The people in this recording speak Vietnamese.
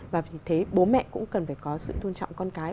và vì thế bố mẹ cũng cần phải có sự tôn trọng con cái